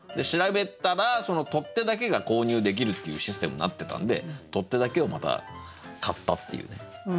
調べたら取っ手だけが購入できるっていうシステムになってたんで取っ手だけをまた買ったっていうね。